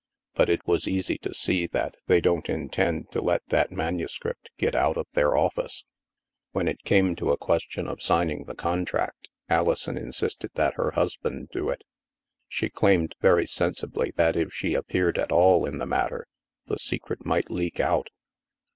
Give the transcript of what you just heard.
But it was easy to see that they don't intend to let that manuscript get out of their office." When it came to a question of signing the con 282 THE MASK tract, Alison insisted that her husband do it She claimed very sensibly that if she appeared at all in the matter, the secret might leak out.